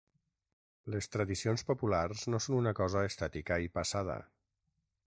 Les tradicions populars no són una cosa estàtica i passada.